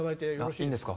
いいんですか？